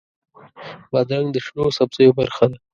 بادرنګ د شنو سبزیو برخه ده.